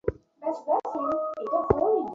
আসো, আসো, আসো, এখানে বসো।